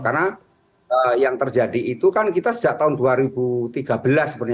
karena yang terjadi itu kan kita sejak tahun dua ribu tiga belas